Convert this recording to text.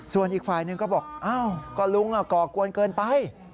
ส่วนอีกฝ่ายหนึ่งก็บอกอ้าวก็ลุงก่อกวนเกินไป